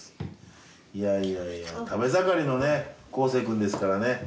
いやいや食べ盛りのね康成くんですからね。